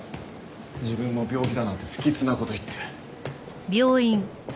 自分も病気だなんて不吉な事言って。